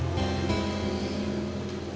alham tidak akan menolak ayah